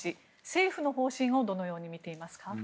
政府の方針をどのように見ていますか？